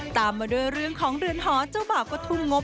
ตามมาด้วยเรื่องของเรือนหอเจ้าบ่าวก็ทุ่มงบ